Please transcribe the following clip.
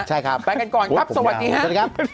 ใช่ครับไปกันก่อนครับสวัสดีครับ